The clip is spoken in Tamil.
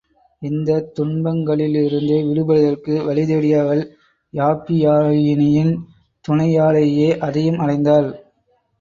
இந்தத் துன்பங்களிலிருந்து விடுபடுவதற்கு வழிதேடிய அவள், யாப்பியாயினியின் துணையாலேயே அதையும் அடைந்தாள்.